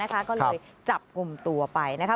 ก็เลยจับกลุ่มตัวไปนะคะ